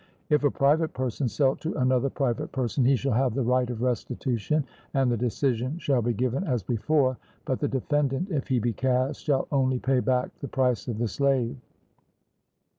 If a private person sell to another private person, he shall have the right of restitution, and the decision shall be given as before, but the defendant, if he be cast, shall only pay back the price of the slave.